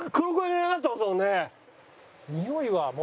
においはもう。